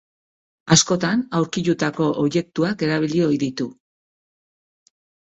Askotan, aurkitutako objektuak erabili ohi ditu.